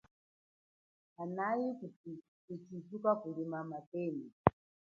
Hanayi kushizungu kuli mathenyi.